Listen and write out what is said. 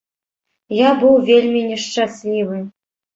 Я быў вельмі нешчаслівы.